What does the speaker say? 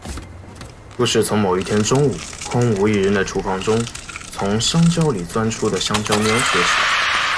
故事从某一天中午空无一人的厨房中从香蕉里钻出的香蕉喵说起。